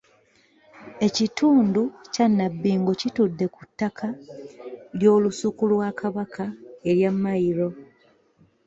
Ekitundu kya Nabbingo kitudde ku ttaka ly’olusuku lwa Kabaka erya mmayiro.